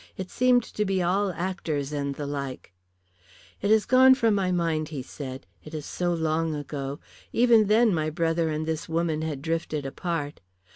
It seemed to be all actors and the like. "It has gone from my mind," he said. "It is so long ago. Even then my brother and this woman had drifted apart.